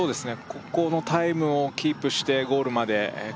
ここのタイムをキープしてゴールまで駆け引きの中